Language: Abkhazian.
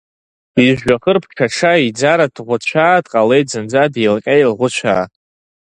Ижәҩахыр ԥҽаҽа, иӡара ҭӷәыцәаа, дҟалеит зынӡа деилҟьа-еилӷәыцәаа!